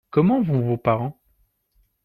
Comment vont vos parents ?